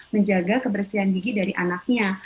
menjaga kebersihan gigi dari anaknya